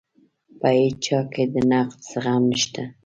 په هیچا کې د نقد زغم نشته.